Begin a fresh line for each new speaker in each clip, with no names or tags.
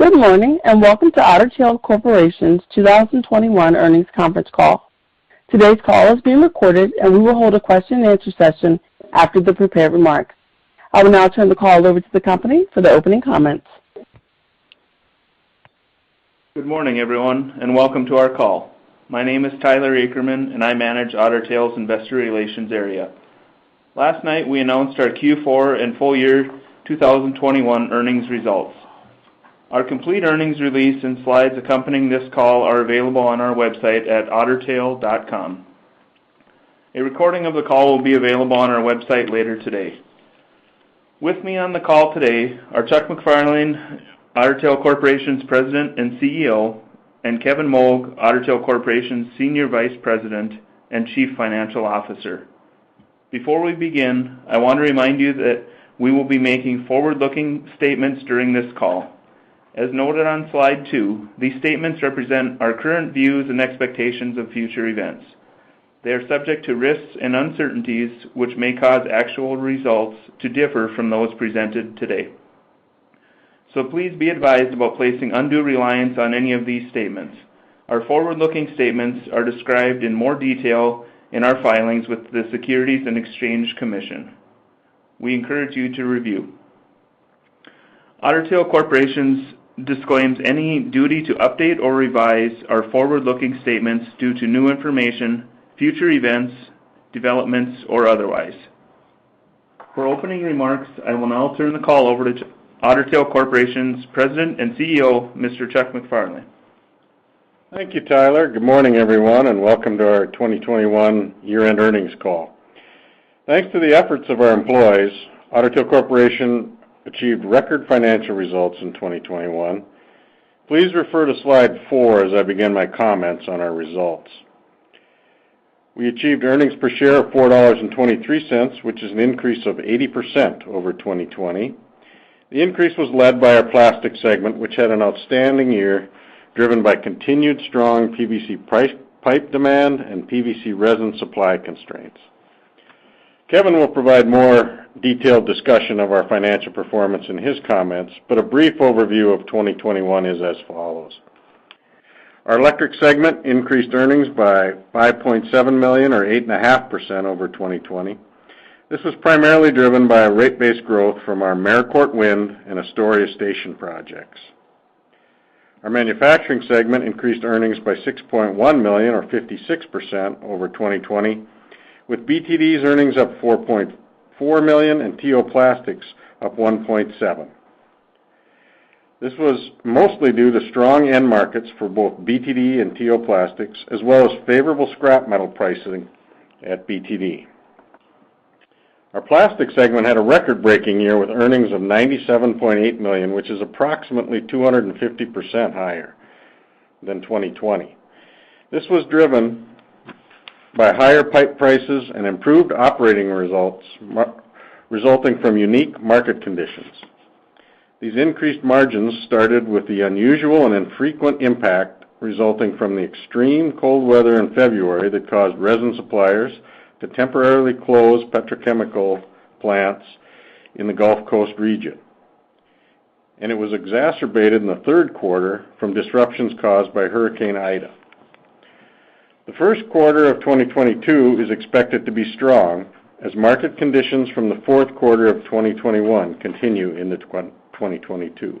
Good morning, and welcome to Otter Tail Corporation's 2021 Earnings Conference Call. Today's call is being recorded, and we will hold a question and answer session after the prepared remarks. I will now turn the call over to the company for the opening comments.
Good morning, everyone, and welcome to our call. My name is Tyler Nelson, and I manage Otter Tail's investor relations area. Last night, we announced our Q4 and full year 2021 earnings results. Our complete earnings release and slides accompanying this call are available on our website at ottertail.com. A recording of the call will be available on our website later today. With me on the call today are Chuck MacFarlane, Otter Tail Corporation's President and CEO, and Kevin Moug, Otter Tail Corporation's Senior Vice President and Chief Financial Officer. Before we begin, I want to remind you that we will be making forward-looking statements during this call. As noted on Slide two, these statements represent our current views and expectations of future events. They are subject to risks and uncertainties which may cause actual results to differ from those presented today. Please be advised about placing undue reliance on any of these statements. Our forward-looking statements are described in more detail in our filings with the Securities and Exchange Commission. We encourage you to review. Otter Tail Corporation disclaims any duty to update or revise our forward-looking statements due to new information, future events, developments, or otherwise. For opening remarks, I will now turn the call over to Otter Tail Corporation's President and CEO, Mr. Chuck MacFarlane.
Thank you, Tyler. Good morning, everyone, and welcome to our 2021 Year-end Earnings Call. Thanks to the efforts of our employees, Otter Tail Corporation achieved record financial results in 2021. Please refer to Slide four as I begin my comments on our results. We achieved earnings per share of $4.23, which is an increase of 80% over 2020. The increase was led by our Plastics segment, which had an outstanding year, driven by continued strong PVC pipe demand and PVC resin supply constraints. Kevin will provide more detailed discussion of our financial performance in his comments, but a brief overview of 2021 is as follows. Our Electric segment increased earnings by $5.7 million or 8.5% over 2020. This was primarily driven by a rate base growth from our Merricourt Wind and Astoria Station projects. Our Manufacturing segment increased earnings by $6.1 million or 56% over 2020, with BTD's earnings up $4.4 million and T.O. Plastics up $1.7 million. This was mostly due to strong end markets for both BTD and T.O. Plastics as well as favorable scrap metal pricing at BTD. Our Plastics segment had a record-breaking year with earnings of $97.8 million, which is approximately 250% higher than 2020. This was driven by higher pipe prices and improved operating results resulting from unique market conditions. These increased margins started with the unusual and infrequent impact resulting from the extreme cold weather in February that caused resin suppliers to temporarily close petrochemical plants in the Gulf Coast region. It was exacerbated in the third quarter from disruptions caused by Hurricane Ida. The first quarter of 2022 is expected to be strong as market conditions from the fourth quarter of 2021 continue into 2022.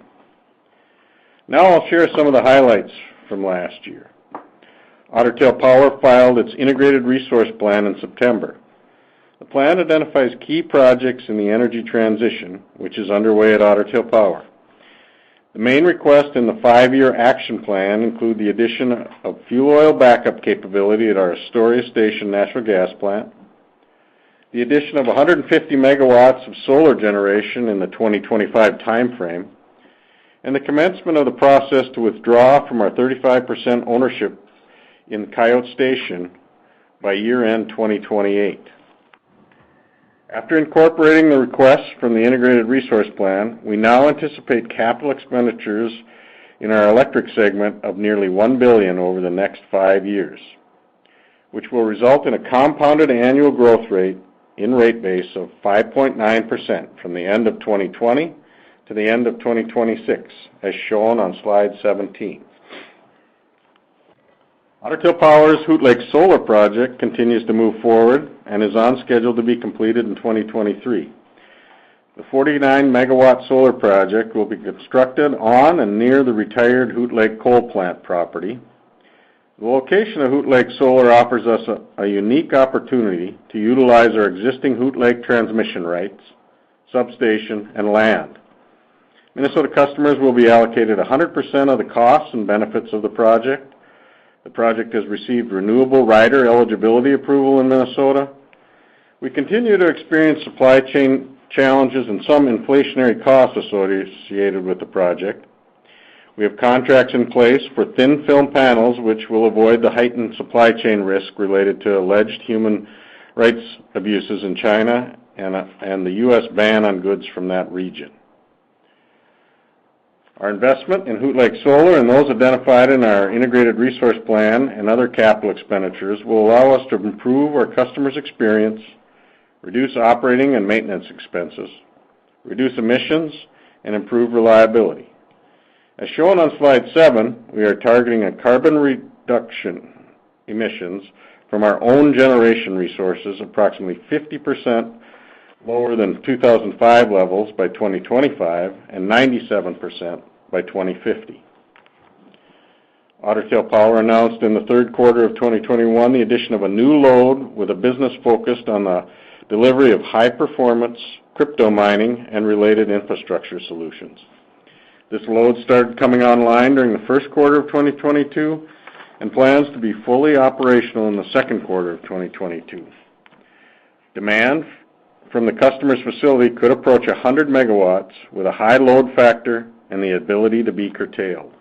Now I'll share some of the highlights from last year. Otter Tail Power filed its integrated resource plan in September. The plan identifies key projects in the energy transition, which is underway at Otter Tail Power. The main request in the 5-year action plan include the addition of fuel oil backup capability at our Astoria Station natural gas plant, the addition of 150 megawatts of solar generation in the 2025 timeframe, and the commencement of the process to withdraw from our 35% ownership in Coyote Station by year-end 2028. After incorporating the request from the integrated resource plan, we now anticipate capital expenditures in our electric segment of nearly $1 billion over the next five years, which will result in a compounded annual growth rate in rate base of 5.9% from the end of 2020 to the end of 2026, as shown on Slide 17. Otter Tail Power's Hoot Lake Solar project continues to move forward and is on schedule to be completed in 2023. The 49-MW solar project will be constructed on and near the retired Hoot Lake Coal Plant property. The location of Hoot Lake Solar offers us a unique opportunity to utilize our existing Hoot Lake transmission rights, substation, and land. Minnesota customers will be allocated 100% of the costs and benefits of the project. The project has received Renewable Rider eligibility approval in Minnesota. We continue to experience supply chain challenges and some inflationary costs associated with the project. We have contracts in place for thin-film panels, which will avoid the heightened supply chain risk related to alleged human rights abuses in China and the U.S. ban on goods from that region. Our investment in Hoot Lake Solar and those identified in our integrated resource plan and other capital expenditures will allow us to improve our customers' experience, reduce operating and maintenance expenses, reduce emissions, and improve reliability. As shown on Slide seven, we are targeting a carbon reduction emissions from our own generation resources approximately 50% lower than 2005 levels by 2025, and 97% by 2050. Otter Tail Power announced in the third quarter of 2021 the addition of a new load with a business focused on the delivery of high performance crypto mining and related infrastructure solutions. This load started coming online during the first quarter of 2022, and plans to be fully operational in the second quarter of 2022. Demand from the customer's facility could approach 100 MW with a high load factor and the ability to be curtailed.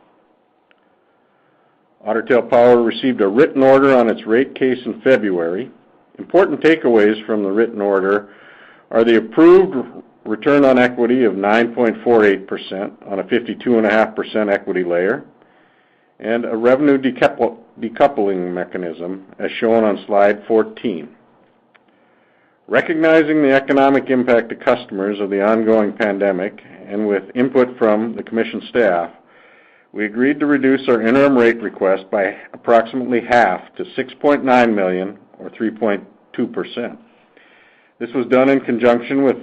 Otter Tail Power received a written order on its rate case in February. Important takeaways from the written order are the approved return on equity of 9.48% on a 52.5% equity layer, and a revenue decoupling mechanism, as shown on Slide 14. Recognizing the economic impact to customers of the ongoing pandemic, and with input from the commission staff, we agreed to reduce our interim rate request by approximately half to $6.9 million or 3.2%. This was done in conjunction with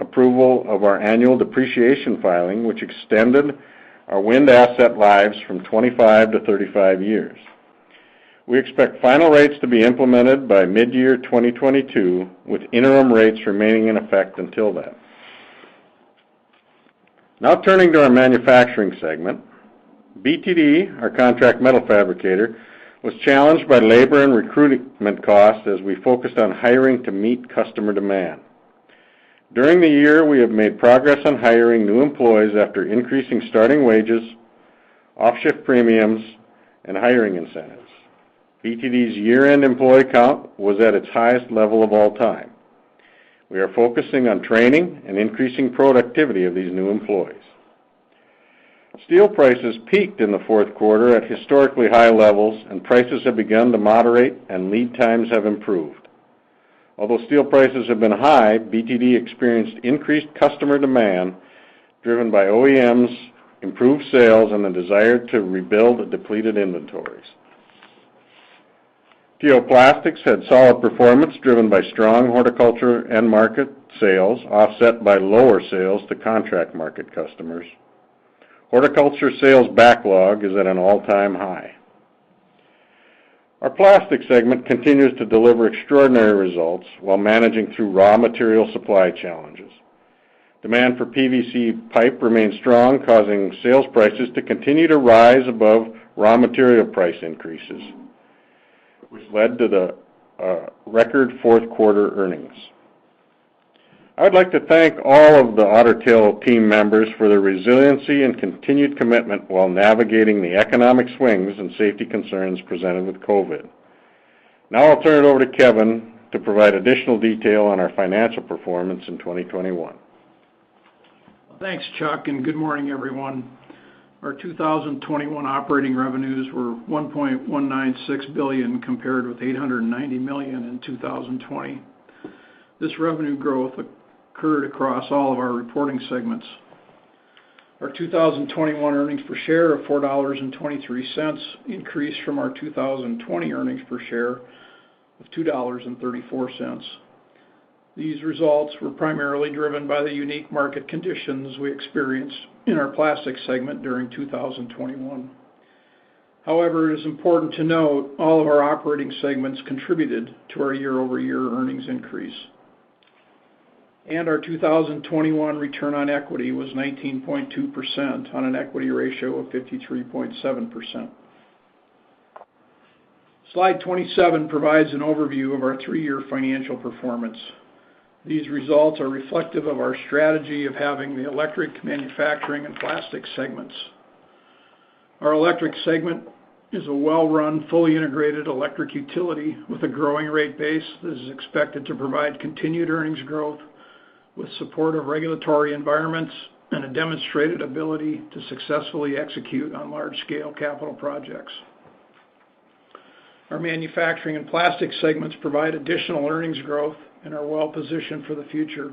approval of our annual depreciation filing, which extended our wind asset lives from 25 to 35 years. We expect final rates to be implemented by mid-2022, with interim rates remaining in effect until then. Now turning to our manufacturing segment. BTD, our contract metal fabricator, was challenged by labor and recruitment costs as we focused on hiring to meet customer demand. During the year, we have made progress on hiring new employees after increasing starting wages, off-shift premiums, and hiring incentives. BTD's year-end employee count was at its highest level of all time. We are focusing on training and increasing productivity of these new employees. Steel prices peaked in the fourth quarter at historically high levels, and prices have begun to moderate and lead times have improved. Although steel prices have been high, BTD experienced increased customer demand driven by OEMs, improved sales, and the desire to rebuild depleted inventories. T.O. Plastics had solid performance driven by strong horticulture end market sales offset by lower sales to contract market customers. Horticulture sales backlog is at an all-time high. Our plastics segment continues to deliver extraordinary results while managing through raw material supply challenges. Demand for PVC pipe remains strong, causing sales prices to continue to rise above raw material price increases, which led to the record fourth quarter earnings. I would like to thank all of the Otter Tail team members for their resiliency and continued commitment while navigating the economic swings and safety concerns presented with COVID. Now I'll turn it over to Kevin to provide additional detail on our financial performance in 2021.
Well, thanks, Chuck, and good morning, everyone. Our 2021 operating revenues were $1.196 billion compared with $890 million in 2020. This revenue growth occurred across all of our reporting segments. Our 2021 earnings per share of $4.23 increased from our 2020 earnings per share of $2.34. These results were primarily driven by the unique market conditions we experienced in our plastics segment during 2021. However, it is important to note all of our operating segments contributed to our year-over-year earnings increase. Our 2021 return on equity was 19.2% on an equity ratio of 53.7%. Slide 27 provides an overview of our 3-year financial performance. These results are reflective of our strategy of having the Electric, Manufacturing, and Plastics segments. Our Electric segment is a well-run, fully integrated electric utility with a growing rate base that is expected to provide continued earnings growth with support of regulatory environments and a demonstrated ability to successfully execute on large-scale capital projects. Our Manufacturing and Plastics segments provide additional earnings growth and are well positioned for the future.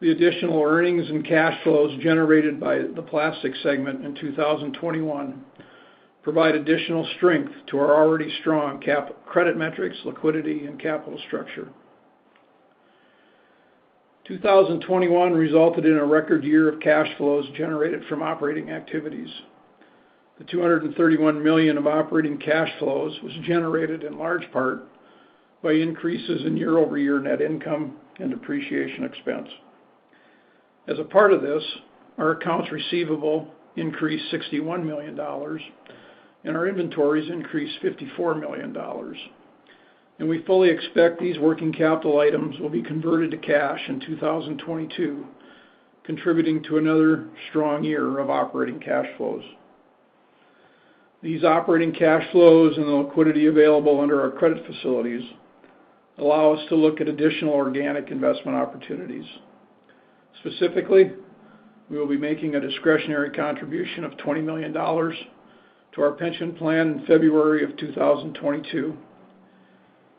The additional earnings and cash flows generated by the Plastics segment in 2021 provide additional strength to our already strong credit metrics, liquidity, and capital structure. 2021 resulted in a record year of cash flows generated from operating activities. The $231 million of operating cash flows was generated in large part by increases in year-over-year net income and depreciation expense. As a part of this, our accounts receivable increased $61 million and our inventories increased $54 million. We fully expect these working capital items will be converted to cash in 2022, contributing to another strong year of operating cash flows. These operating cash flows and the liquidity available under our credit facilities allow us to look at additional organic investment opportunities. Specifically, we will be making a discretionary contribution of $20 million to our pension plan in February 2022.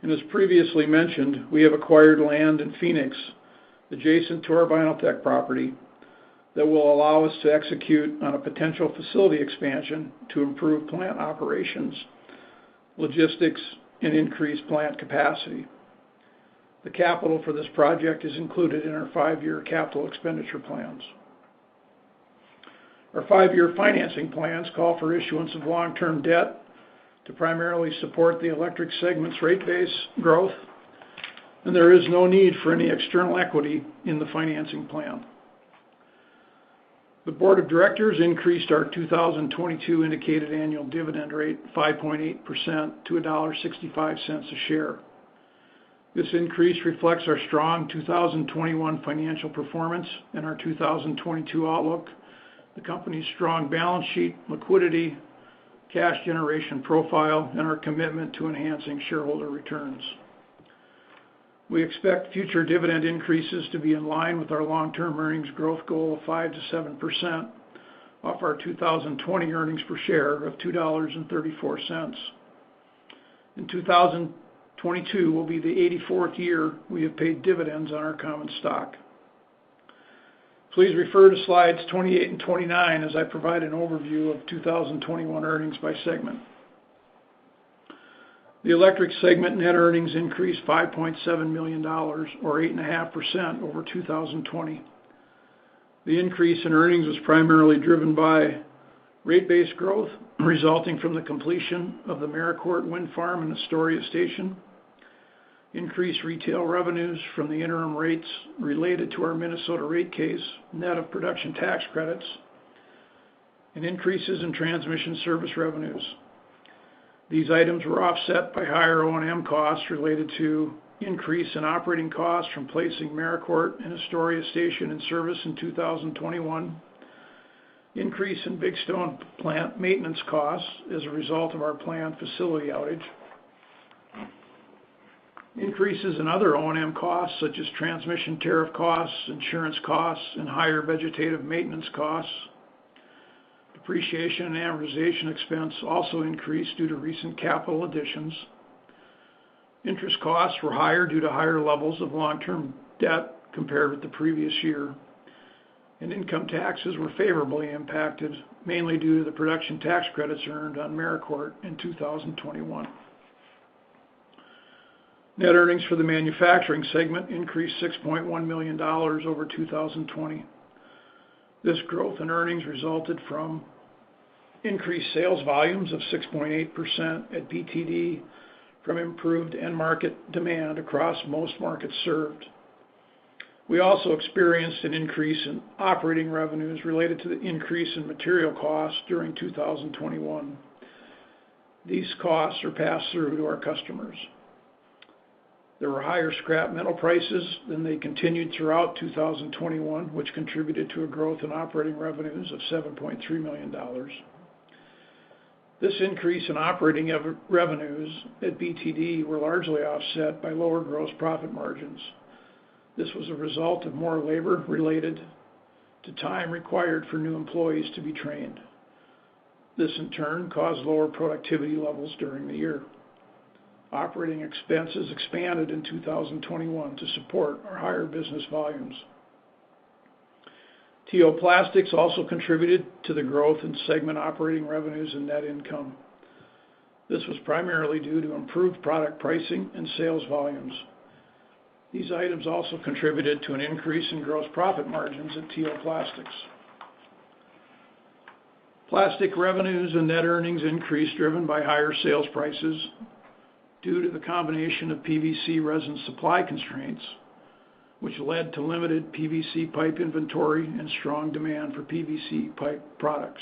As previously mentioned, we have acquired land in Phoenix adjacent to our Vinyltech property that will allow us to execute on a potential facility expansion to improve plant operations, logistics, and increase plant capacity. The capital for this project is included in our five-year capital expenditure plans. Our five-year financing plans call for issuance of long-term debt to primarily support the electric segment's rate base growth, and there is no need for any external equity in the financing plan. The board of directors increased our 2022 indicated annual dividend rate 5.8% to $1.65 a share. This increase reflects our strong 2021 financial performance and our 2022 outlook, the company's strong balance sheet, liquidity, cash generation profile, and our commitment to enhancing shareholder returns. We expect future dividend increases to be in line with our long-term earnings growth goal of 5%-7% off our 2020 earnings per share of $2.34. In 2022, it will be the 84th year we have paid dividends on our common stock. Please refer to Slides 28 and 29 as I provide an overview of 2021 earnings by segment. The electric segment net earnings increased $5.7 million or 8.5% over 2020. The increase in earnings was primarily driven by rate base growth resulting from the completion of the Merricourt Wind Farm and Astoria Station, increased retail revenues from the interim rates related to our Minnesota rate case, net of production tax credits, and increases in transmission service revenues. These items were offset by higher O&M costs related to increase in operating costs from placing Merricourt and Astoria Station in service in 2021, increase in Big Stone plant maintenance costs as a result of our plant facility outage, increases in other O&M costs, such as transmission tariff costs, insurance costs, and higher vegetative maintenance costs. Depreciation and amortization expense also increased due to recent capital additions. Interest costs were higher due to higher levels of long-term debt compared with the previous year, and income taxes were favorably impacted, mainly due to the production tax credits earned on Merricourt in 2021. Net earnings for the manufacturing segment increased $6.1 million over 2020. This growth in earnings resulted from increased sales volumes of 6.8% at BTD from improved end market demand across most markets served. We also experienced an increase in operating revenues related to the increase in material costs during 2021. These costs are passed through to our customers. There were higher scrap metal prices, and they continued throughout 2021, which contributed to a growth in operating revenues of $7.3 million. This increase in operating revenues at BTD was largely offset by lower gross profit margins. This was a result of more labor related to time required for new employees to be trained. This, in turn, caused lower productivity levels during the year. Operating expenses expanded in 2021 to support our higher business volumes. T.O. Plastics also contributed to the growth in segment operating revenues and net income. This was primarily due to improved product pricing and sales volumes. These items also contributed to an increase in gross profit margins at T.O. Plastics. Plastics revenues and net earnings increased, driven by higher sales prices due to the combination of PVC resin supply constraints, which led to limited PVC pipe inventory and strong demand for PVC pipe products.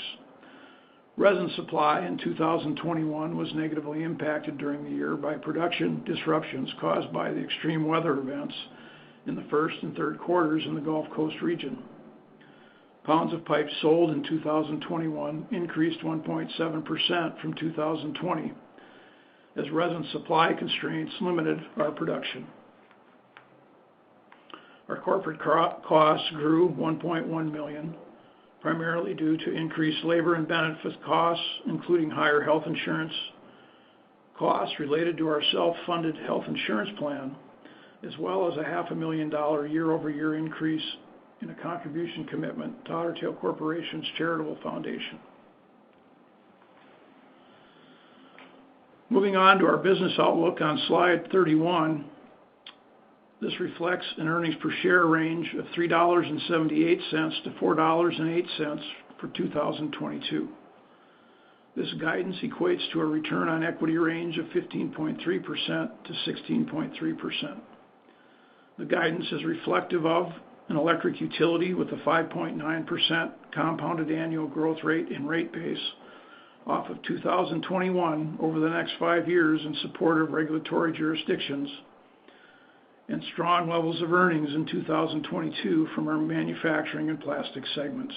Resin supply in 2021 was negatively impacted during the year by production disruptions caused by the extreme weather events in the first and third quarters in the Gulf Coast region. Pounds of pipes sold in 2021 increased 1.7% from 2020 as resin supply constraints limited our production. Our corporate costs grew $1.1 million, primarily due to increased labor and benefits costs, including higher health insurance costs related to our self-funded health insurance plan, as well as a half a million dollar year-over-year increase in a contribution commitment to Otter Tail Corporation's charitable foundation. Moving on to our business outlook on slide 31, this reflects an earnings per share range of $3.78-$4.08 for 2022. This guidance equates to a return on equity range of 15.3%-16.3%. The guidance is reflective of an electric utility with a 5.9% compounded annual growth rate and rate base off of 2021 over the next five years in support of regulatory jurisdictions and strong levels of earnings in 2022 from our manufacturing and plastic segments.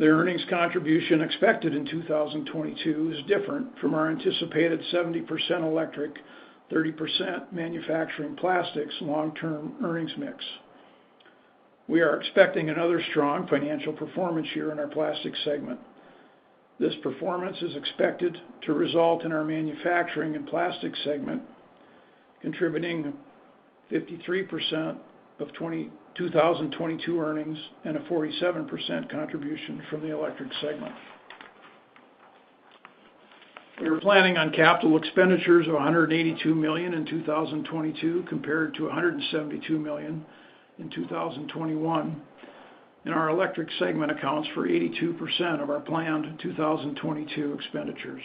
The earnings contribution expected in 2022 is different from our anticipated 70% electric, 30% manufacturing plastics long-term earnings mix. We are expecting another strong financial performance year in our plastic segment. This performance is expected to result in our manufacturing and plastics segment contributing 53% of 2022 earnings and a 47% contribution from the electric segment. We are planning on capital expenditures of $182 million in 2022 compared to $172 million in 2021, and our electric segment accounts for 82% of our planned 2022 expenditures.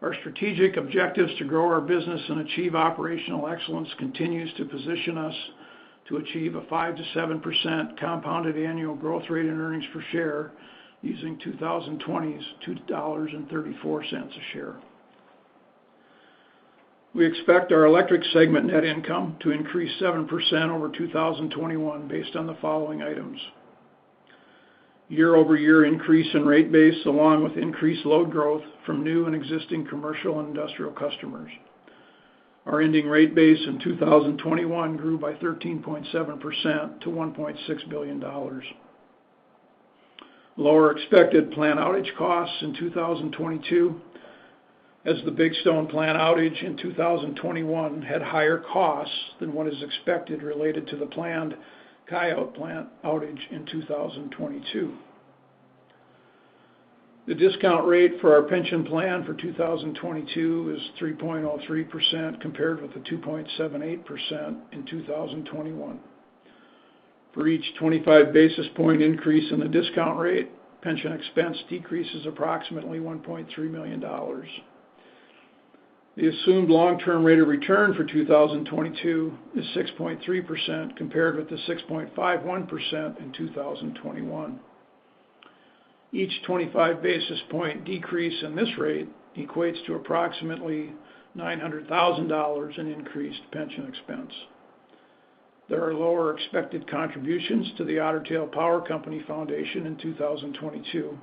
Our strategic objectives to grow our business and achieve operational excellence continues to position us to achieve a 5%-7% compounded annual growth rate in earnings per share using 2020's $2.34 a share. We expect our electric segment net income to increase 7% over 2021 based on the following items, year-over-year increase in rate base along with increased load growth from new and existing commercial and industrial customers. Our ending rate base in 2021 grew by 13.7% to $1.6 billion. Lower expected plant outage costs in 2022 as the Big Stone plant outage in 2021 had higher costs than what is expected related to the planned Coyote plant outage in 2022. The discount rate for our pension plan for 2022 is 3.03% compared with the 2.78% in 2021. For each 25 basis point increase in the discount rate, pension expense decreases approximately $1.3 million. The assumed long-term rate of return for 2022 is 6.3% compared with the 6.51% in 2021. Each 25 basis point decrease in this rate equates to approximately $900,000 in increased pension expense. There are lower expected contributions to the Otter Tail Power Company Foundation in 2022.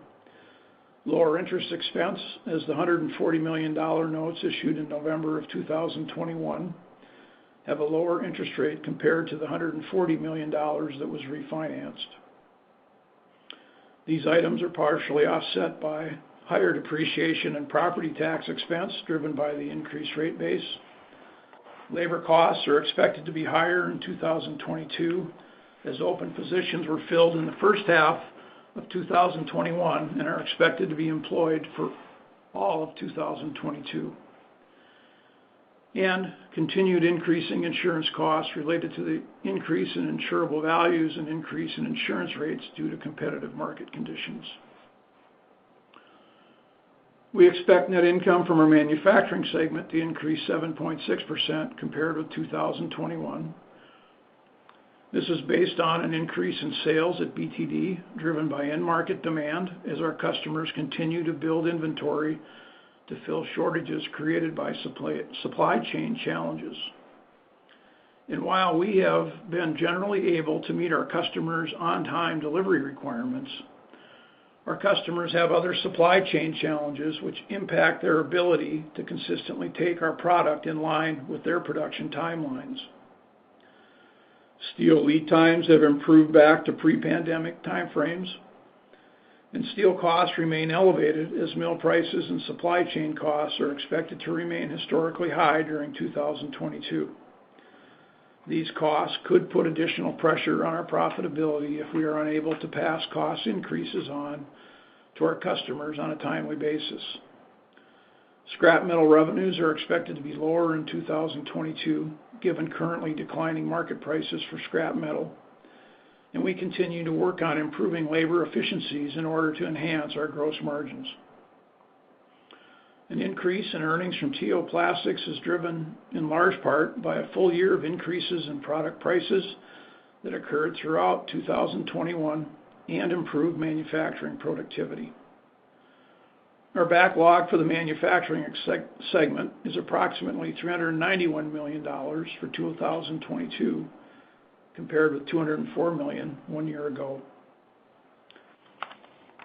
Lower interest expense as the $140 million notes issued in November of 2021 have a lower interest rate compared to the $140 million that was refinanced. These items are partially offset by higher depreciation and property tax expense driven by the increased rate base. Labor costs are expected to be higher in 2022 as open positions were filled in the first half of 2021 and are expected to be employed for all of 2022. Continued increasing insurance costs related to the increase in insurable values and increase in insurance rates due to competitive market conditions. We expect net income from our manufacturing segment to increase 7.6% compared with 2021. This is based on an increase in sales at BTD driven by end market demand as our customers continue to build inventory to fill shortages created by supply chain challenges. While we have been generally able to meet our customers' on-time delivery requirements, our customers have other supply chain challenges which impact their ability to consistently take our product in line with their production timelines. Steel lead times have improved back to pre-pandemic time frames, and steel costs remain elevated as mill prices and supply chain costs are expected to remain historically high during 2022. These costs could put additional pressure on our profitability if we are unable to pass cost increases on to our customers on a timely basis. Scrap metal revenues are expected to be lower in 2022, given currently declining market prices for scrap metal, and we continue to work on improving labor efficiencies in order to enhance our gross margins. An increase in earnings from T.O. Plastics is driven in large part by a full year of increases in product prices that occurred throughout 2021 and improved manufacturing productivity. Our backlog for the manufacturing segment is approximately $391 million for 2022, compared with $204 million one year ago.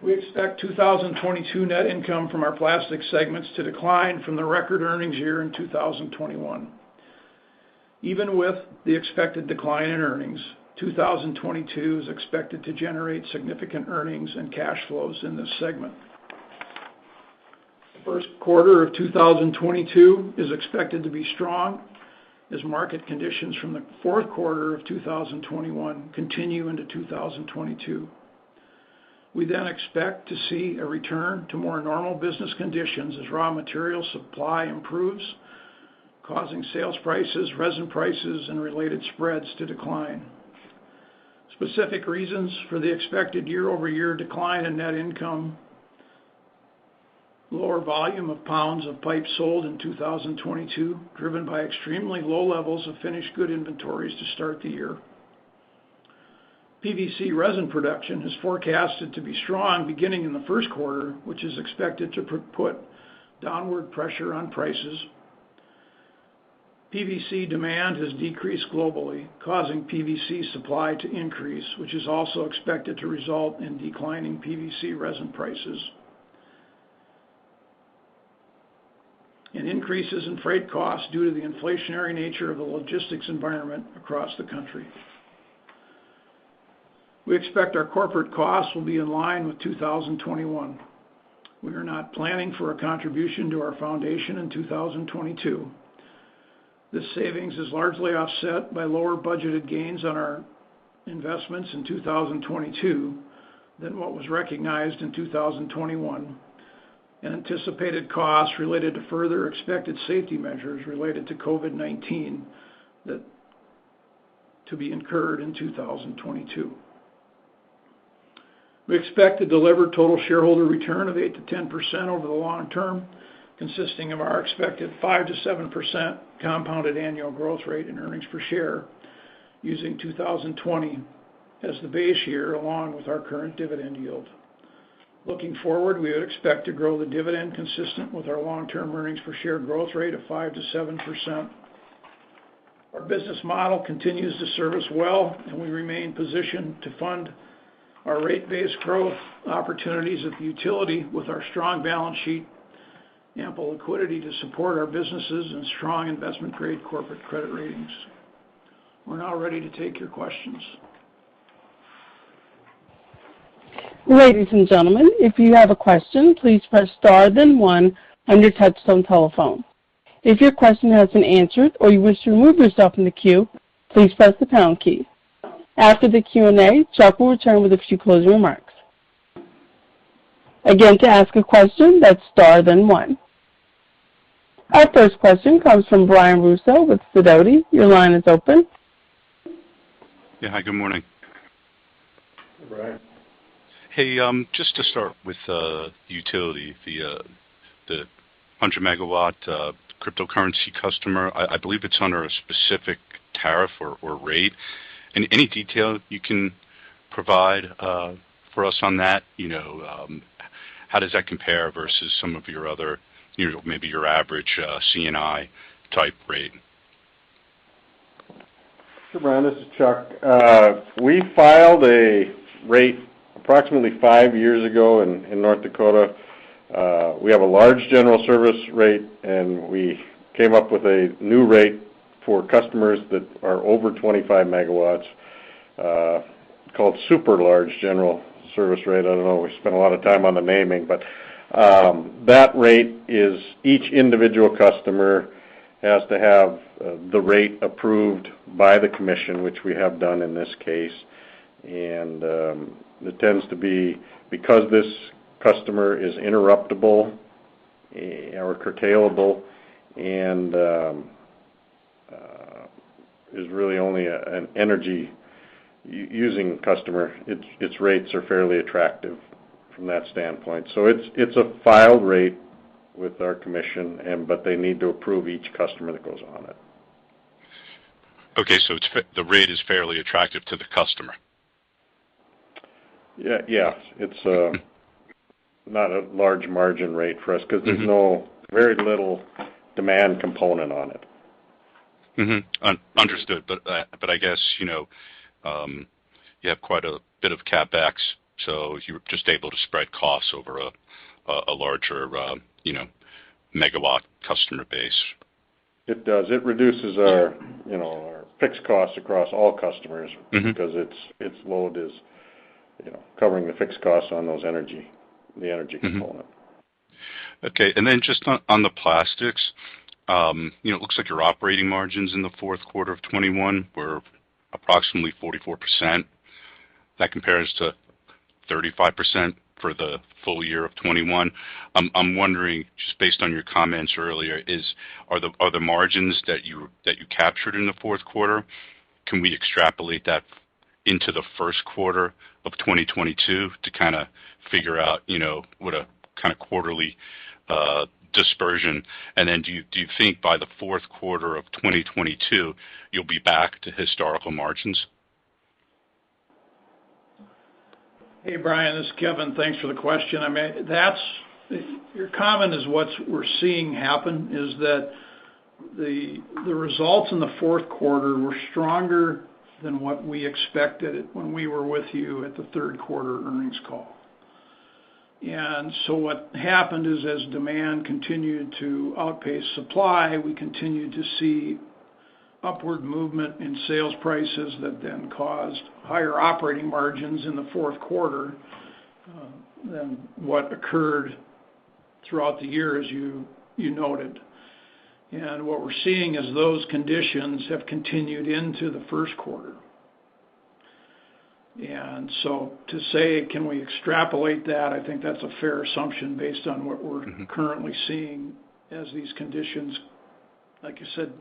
We expect 2022 net income from our plastics segments to decline from the record earnings year in 2021. Even with the expected decline in earnings, 2022 is expected to generate significant earnings and cash flows in this segment. The first quarter of 2022 is expected to be strong as market conditions from the fourth quarter of 2021 continue into 2022. We then expect to see a return to more normal business conditions as raw material supply improves, causing sales prices, resin prices, and related spreads to decline. Specific reasons for the expected year-over-year decline in net income, lower volume of pounds of pipes sold in 2022, driven by extremely low levels of finished good inventories to start the year. PVC resin production is forecasted to be strong beginning in the first quarter, which is expected to put downward pressure on prices. PVC demand has decreased globally, causing PVC supply to increase, which is also expected to result in declining PVC resin prices. Increases in freight costs due to the inflationary nature of the logistics environment across the country. We expect our corporate costs will be in line with 2021. We are not planning for a contribution to our foundation in 2022. This savings is largely offset by lower budgeted gains on our investments in 2022 than what was recognized in 2021, and anticipated costs related to further expected safety measures related to COVID-19 that are to be incurred in 2022. We expect to deliver total shareholder return of 8%-10% over the long term, consisting of our expected 5%-7% compounded annual growth rate in earnings per share using 2020 as the base year, along with our current dividend yield. Looking forward, we would expect to grow the dividend consistent with our long-term earnings per share growth rate of 5%-7%. Our business model continues to serve us well, and we remain positioned to fund our rate base growth opportunities of utility with our strong balance sheet, ample liquidity to support our businesses and strong investment-grade corporate credit ratings. We're now ready to take your questions.
Ladies and gentlemen, if you have a question, please press star then one on your touch tone telephone. If your question has been answered or you wish to remove yourself from the queue, please press the pound key. After the Q&A, Chuck will return with a few closing remarks. Again, to ask a question, that's star then one. Our first question comes from Brian Russo with Sidoti. Your line is open.
Yeah. Hi, good morning.
Brian.
Hey, just to start with the utility, the 100 MW cryptocurrency customer. I believe it's under a specific tariff or rate. Any detail you can provide for us on that? You know, how does that compare versus some of your other, you know, maybe your average C&I type rate?
Sure, Brian, this is Chuck. We filed a rate approximately 5 years ago in North Dakota. We have a large general service rate, and we came up with a new rate for customers that are over 25 MW, called super large general service rate. I don't know, we spent a lot of time on the naming. That rate is each individual customer has to have the rate approved by the commission, which we have done in this case. It tends to be because this customer is interruptible or curtailable and is really only an energy-using customer. Its rates are fairly attractive from that standpoint. It's a filed rate with our commission, but they need to approve each customer that goes on it.
Okay, the rate is fairly attractive to the customer.
Yeah, yeah. It's not a large margin rate for us. 'cause there's no very little demand component on it.
Understood. I guess, you know, you have quite a bit of CapEx, so you're just able to spread costs over a larger, you know, megawatt customer base.
It does. It reduces our, you know, fixed costs across all customers. Because its load is, you know, covering the fixed costs on the energy component.
Okay. Just on the plastics. You know, it looks like your operating margins in the fourth quarter of 2021 were approximately 44%. That compares to 35% for the full year of 2021. I'm wondering, just based on your comments earlier, are the margins that you captured in the fourth quarter, can we extrapolate that into the first quarter of 2022 to kinda figure out, you know, what a kinda quarterly dispersion? And then do you think by the fourth quarter of 2022 you'll be back to historical margins?
Hey, Brian, this is Kevin. Thanks for the question. I mean, that's Your comment is what we're seeing happen, is that the results in the fourth quarter were stronger than what we expected when we were with you at the third quarter earnings call. What happened is, as demand continued to outpace supply, we continued to see upward movement in sales prices that then caused higher operating margins in the fourth quarter than what occurred throughout the year, as you noted. What we're seeing is those conditions have continued into the first quarter. To say, can we extrapolate that? I think that's a fair assumption based on what we're Currently seeing as these conditions, like you said,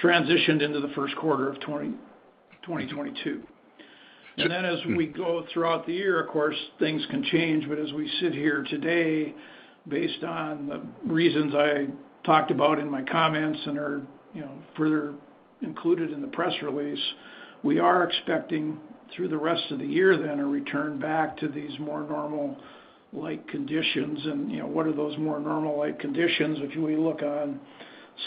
transitioned into the first quarter of 2022.
Yeah.
Then as we go throughout the year, of course, things can change. As we sit here today, based on the reasons I talked about in my comments and are, you know, further included in the press release. We are expecting through the rest of the year then a return back to these more normal-like conditions. You know, what are those more normal-like conditions? If we look on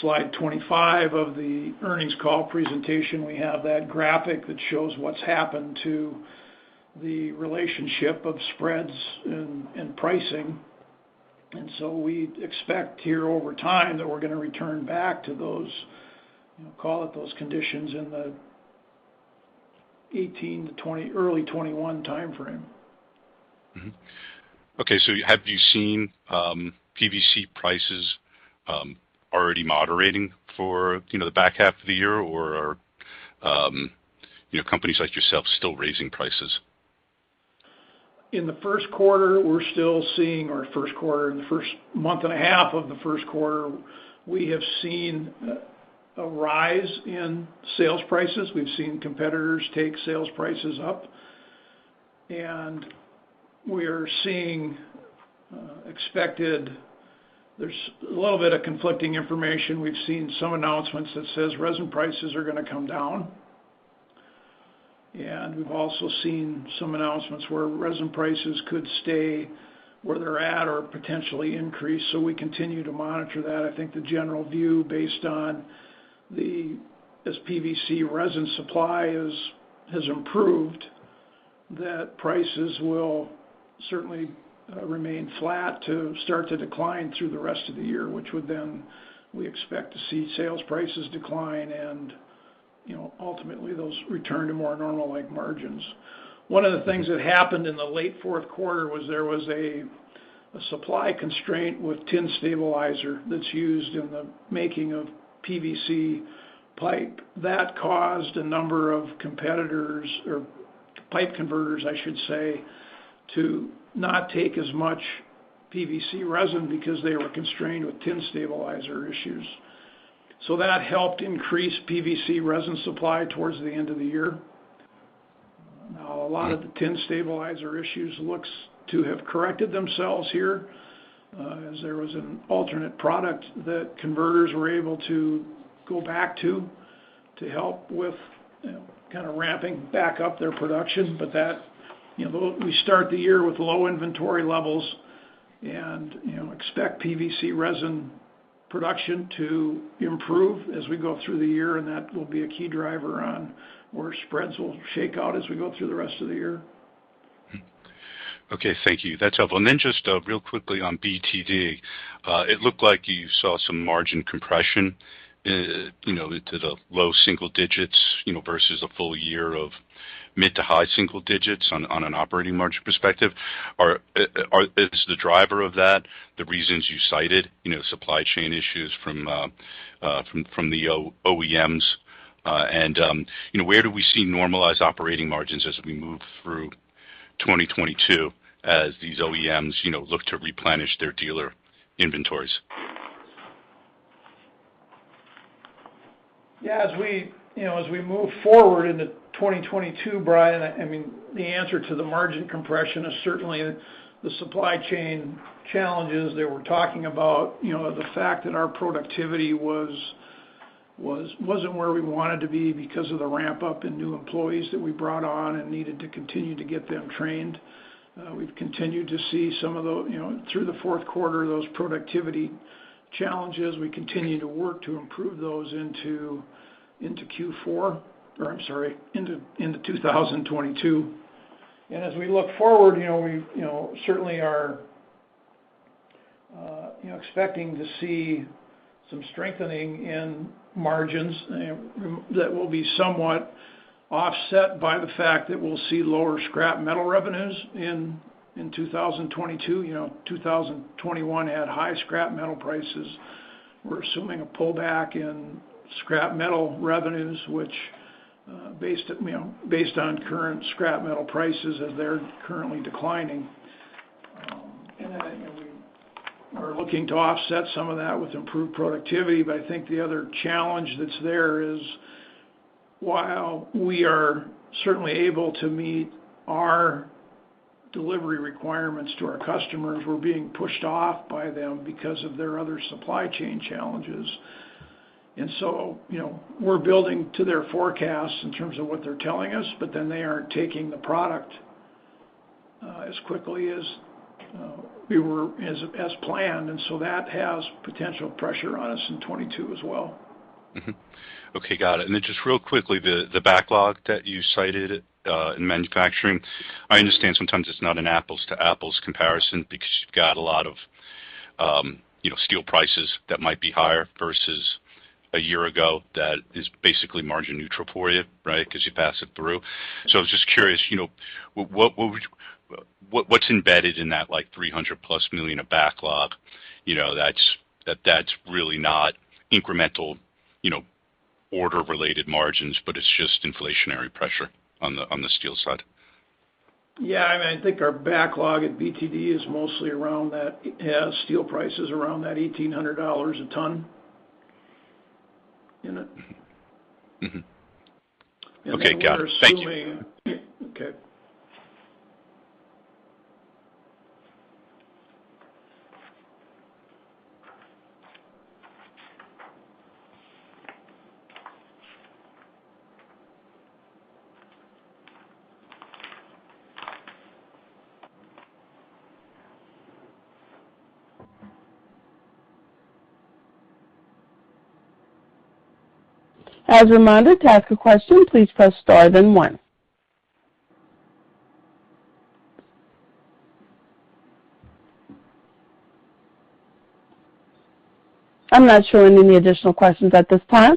slide 25 of the earnings call presentation, we have that graphic that shows what's happened to the relationship of spreads and pricing. We expect here over time that we're gonna return back to those, you know, call it those conditions in the 18-20-early 21 timeframe.
Okay. Have you seen PVC prices already moderating for, you know, the back half of the year? Or, you know, companies like yourself still raising prices?
In the first quarter, we're still seeing our first quarter and the first month and a half of the first quarter, we have seen a rise in sales prices. We've seen competitors take sales prices up, and we are seeing. There's a little bit of conflicting information. We've seen some announcements that says resin prices are gonna come down, and we've also seen some announcements where resin prices could stay where they're at or potentially increase. We continue to monitor that. I think the general view based on as PVC resin supply has improved, that prices will certainly remain flat to start to decline through the rest of the year, which would then we expect to see sales prices decline and, you know, ultimately those return to more normal-like margins. One of the things that happened in the late fourth quarter was there was a supply constraint with tin stabilizer that's used in the making of PVC pipe. That caused a number of competitors or pipe converters, I should say, to not take as much PVC resin because they were constrained with tin stabilizer issues. That helped increase PVC resin supply towards the end of the year. Now, a lot of the tin stabilizer issues looks to have corrected themselves here, as there was an alternate product that converters were able to go back to help with kind of ramping back up their production. That, you know, we start the year with low inventory levels and, you know, expect PVC resin production to improve as we go through the year, and that will be a key driver on where spreads will shake out as we go through the rest of the year.
Okay. Thank you. That's helpful. Just real quickly on BTD. It looked like you saw some margin compression, you know, to the low single digits%, you know, versus a full year of mid- to high single digits% on an operating margin perspective. Is the driver of that, the reasons you cited, you know, supply chain issues from the OEMs? Where do we see normalized operating margins as we move through 2022 as these OEMs, you know, look to replenish their dealer inventories?
Yeah. As we move forward into 2022, Brian, I mean, the answer to the margin compression is certainly the supply chain challenges that we're talking about. The fact that our productivity wasn't where we wanted to be because of the ramp-up in new employees that we brought on and needed to continue to get them trained. We've continued to see some of those productivity challenges through the fourth quarter. We continue to work to improve those into 2022. As we look forward, we certainly are expecting to see some strengthening in margins that will be somewhat offset by the fact that we'll see lower scrap metal revenues in 2022. You know, 2021 had high scrap metal prices. We're assuming a pullback in scrap metal revenues, which, you know, based on current scrap metal prices as they're currently declining. You know, we are looking to offset some of that with improved productivity. I think the other challenge that's there is, while we are certainly able to meet our delivery requirements to our customers, we're being pushed off by them because of their other supply chain challenges. You know, we're building to their forecasts in terms of what they're telling us, but then they aren't taking the product as quickly as, you know, as planned. That has potential pressure on us in 2022 as well.
Okay. Got it. Just real quickly, the backlog that you cited in manufacturing. I understand sometimes it's not an apples to apples comparison because you've got a lot of, you know, steel prices that might be higher versus a year ago that is basically margin neutral for you, right? 'Cause you pass it through. I was just curious, you know, what's embedded in that, like, $300 million-plus of backlog? You know, that's really not incremental, you know, order-related margins, but it's just inflationary pressure on the steel side.
Yeah. I mean, I think our backlog at BTD is mostly around that. It has steel prices around that $1,800 a ton in it.
Okay. Got it. Thank you.
We are assuming. Okay.
As a reminder, to ask a question, please press star then one. I'm not showing any additional questions at this time.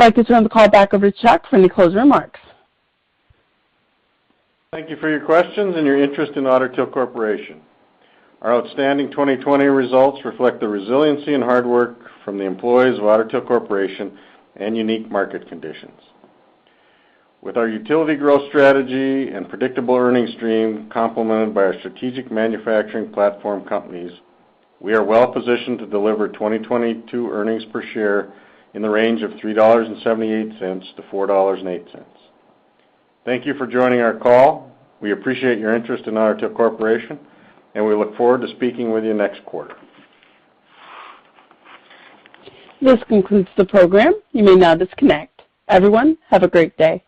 I'd like to turn the call back over to Chuck for any closing remarks.
Thank you for your questions and your interest in Otter Tail Corporation. Our outstanding 2020 results reflect the resiliency and hard work from the employees of Otter Tail Corporation and unique market conditions. With our utility growth strategy and predictable earnings stream complemented by our strategic manufacturing platform companies, we are well positioned to deliver 2022 earnings per share in the range of $3.78-$4.08. Thank you for joining our call. We appreciate your interest in Otter Tail Corporation, and we look forward to speaking with you next quarter.
This concludes the program. You may now disconnect. Everyone, have a great day.